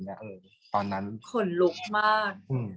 กากตัวทำอะไรบ้างอยู่ตรงนี้คนเดียว